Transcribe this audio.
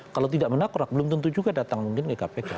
kalau tidak menakrak belum tentu juga datang mungkin ke kpk